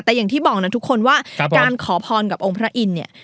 แต่อย่างที่บอกนะทุกคนว่าการขอพรกับองค์พระอินทร์เนี่ย